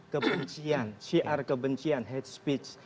kebencian syiar kebencian hate speech